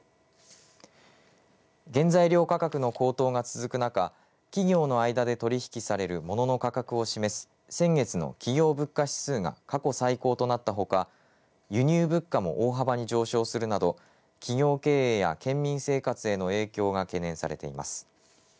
原材料価格の高騰が続く中企業の間で取り引きされる物の価格を示す先月の企業物価指数が過去最高となったほか輸入物価も大幅に上昇するなど企業経営や県民生活への影響が懸念されています。